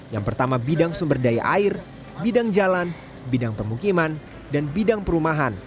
yang pertama bidang sumber daya air bidang jalan bidang pemukiman dan bidang perumahan